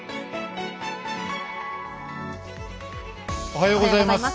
おはようございます。